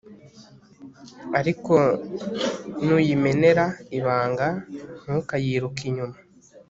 ariko nuyimenera ibanga, ntukayiruke inyuma